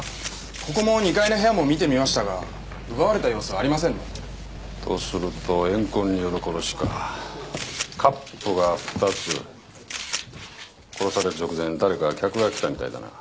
ここも２階の部屋も見てみましたが奪われた様子はありませんねとすると怨恨による殺しかカップが２つ殺される直前誰か客が来たみたいだな